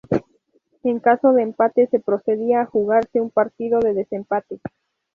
En caso de empate se procedía a jugarse un partido de desempate.